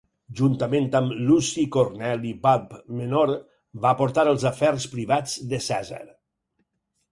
Juntament amb Luci Corneli Balb Menor va portar els afers privats de Cèsar.